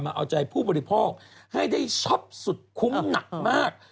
เอาใจผู้บริโภคให้ได้ช็อปสุดคุ้มหนักมาก